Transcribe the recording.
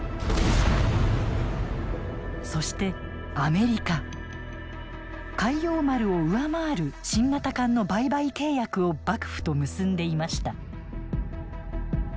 そして開陽丸を上回る新型艦の売買契約を幕府と結んでいました。